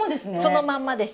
そのまんまです。